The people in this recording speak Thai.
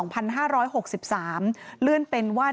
ปี๖๕วันเช่นเดียวกัน